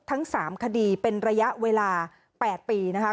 ทั้ง๓คดีเป็นระยะเวลา๘ปีนะคะ